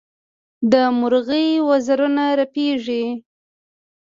د مرغۍ وزرونه رپېږي.